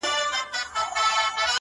يو زرو اوه واري مي ښكل كړلې ـ